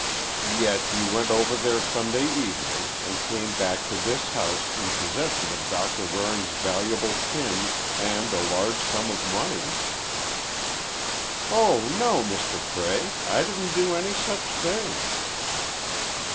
"Yet you went over there Sunday evening, and came back to this house in possession of Doctor Waring's valuable pin, and a large sum of money." "Oh, no, Mr. Cray, I didn't do any such thing!"